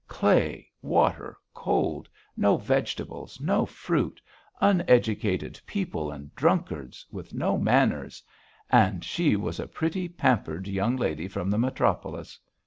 Clay, water, cold, no vegetables, no fruit; uneducated people and drunkards, with no manners, and she was a pretty pampered young lady from the metropolis....